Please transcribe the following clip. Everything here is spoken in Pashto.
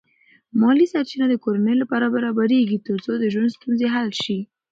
مالی سرچینې د کورنۍ لپاره برابرېږي ترڅو د ژوند ستونزې حل شي.